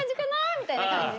みたいな感じで。